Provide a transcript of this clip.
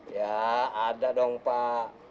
ya ada dong pak